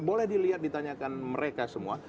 boleh dilihat ditanyakan mereka semua